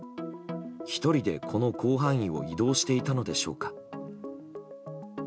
１人で、この広範囲を移動していたのでしょうか。